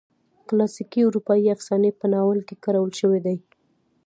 کلاسیکي اروپایي افسانې په ناول کې کارول شوي دي.